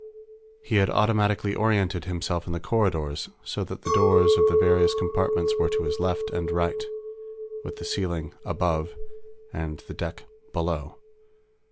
He had automatically oriented himself in the corridors so that the doors of the various compartments were to his left and right, with the ceiling "above" and the deck "below."